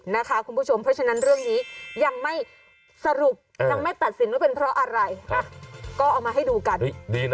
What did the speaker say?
นั่นไง